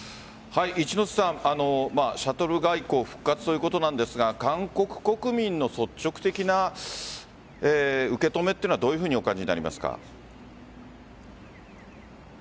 一之瀬さん、シャトル外交復活ということなんですが韓国国民の率直的な受け止めというのはどういうふうにお感じになりますか？